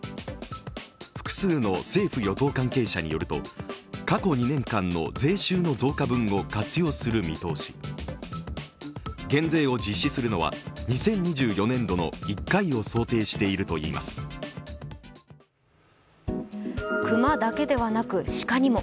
複数の政府・与党関係者によると過去２年間の増税分を活用する見通し、減税を実施するのは２０２４年度の１回を熊だけでなく鹿にも。